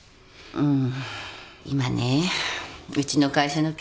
うん。